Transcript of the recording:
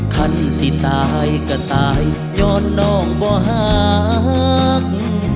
คันสิตายก็ตายย้อนน้องบ่หัก